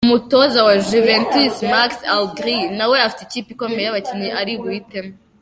Umutoza wa Juventus Max Allegri nawe afite ikipe ikomeye y'abakinnyi ari buhitemo.